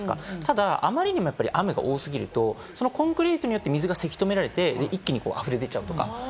でも、あまりにも雨が多すぎると、そのコンクリートによって、水がせき止められて、一気に溢れ出ちゃう。